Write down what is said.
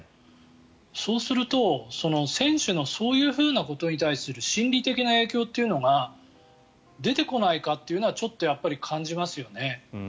そうすると選手のそういうことに対する心理的な影響というのが出てこないかというのはちょっと感じますよね。